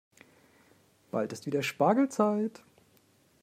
Bald ist es wieder Spargelzeit.